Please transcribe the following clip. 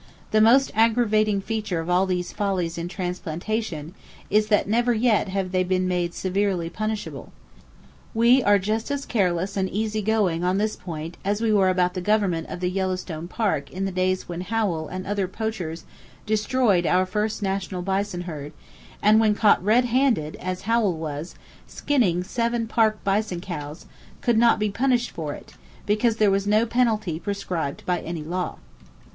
The most aggravating feature of these follies in transplantation is that never yet have they been made severely punishable. We are just as careless and easy going on this point as we were about the government of the Yellowstone Park in the days when Howell and other poachers destroyed our first national bison herd, and when caught red handed—as Howell was, skinning seven Park bison cows,—could not be punished for it, because there was no penalty prescribed by any law.